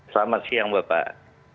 selamat siang bapak